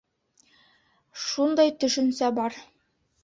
— Шундай төшөнсә бар.